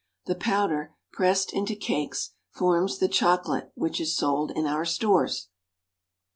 The powder, pressed into cakes, forms the chocolate which is sold in our stores.